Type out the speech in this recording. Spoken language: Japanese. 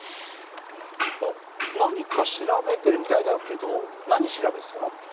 おっ何か調べてるみたいだけど何調べてたの？